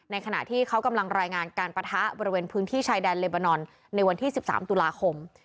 ขณะที่เขากำลังรายงานการปะทะบริเวณพื้นที่ชายแดนเลบานอนในวันที่๑๓ตุลาคม